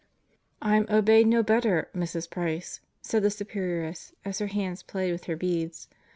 "I'm obeyed no better, Mrs. Price," said 'the Superioress as her hands played with her beads.